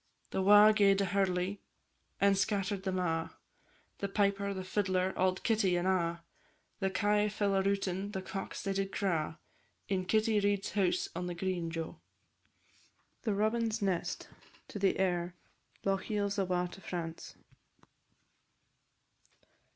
The wa' gaed a hurley, and scatter'd them a', The piper, the fiddler, auld Kitty, and a'; The kye fell a routin', the cocks they did craw, In Kitty Reid's house on the green, Jo! THE ROBIN'S NEST. AIR _"Lochiel's awa' to France."